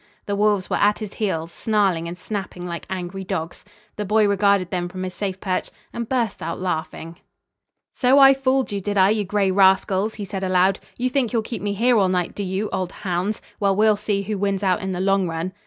The wolves were at his heels, snarling and snapping like angry dogs. The boy regarded them from his safe perch and burst out laughing. [Illustration: Tom Gray Escapes from the Wolves.] "So I fooled you, did I, you gray rascals?" he said aloud. "You think you'll keep me here all night, do you, old hounds? Well, we'll see who wins out in the long run."